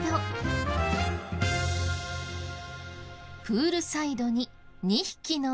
プールサイドに２匹の猫。